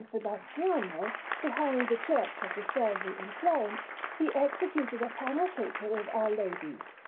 Sebastiano, behind the Church of the Servi in Florence, he executed a panel picture of Our Lady, S.